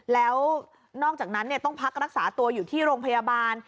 แล้วนอกจากนั้นต้องพักรักษาตัวอยู่ที่โรงพยาบาล